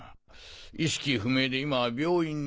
意識不明で今は病院に。